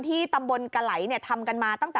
ที่ตำบลกะไหลทำกันมาตั้งแต่